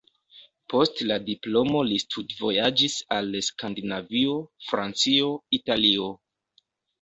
Post la diplomo li studvojaĝis al Skandinavio, Francio, Italio.